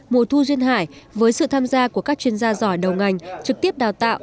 mùa thu duyên hải với sự tham gia của các chuyên gia giỏi đầu ngành trực tiếp đào tạo